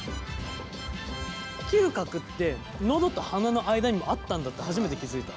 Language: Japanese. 嗅覚って喉と鼻の間にもあったんだって初めて気付いた。